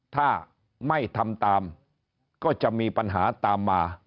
ถ้าไม่ทำตามก็จะมีปัญหาตามมา